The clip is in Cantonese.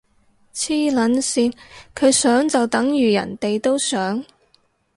黐撚線，佢想就等如人哋都想？